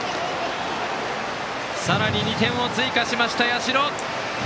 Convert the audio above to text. さらに２点を追加しました、社。